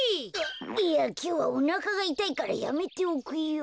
いやきょうはおなかがいたいからやめておくよ。